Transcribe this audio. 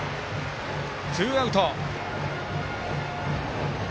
ツーアウト。